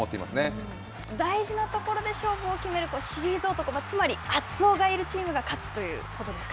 大事なところで勝負を決める、シリーズ男が、つまり熱男がいるチームが勝つということですか？